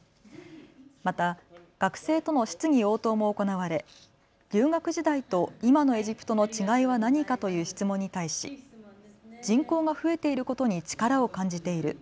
また学生との質疑応答も行われ留学時代と今のエジプトの違いは何かという質問に対し人口が増えていることに力を感じている。